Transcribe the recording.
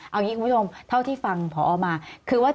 เอาอย่างนี้คุณผู้ชมเท่าที่ฟังข้อออกมา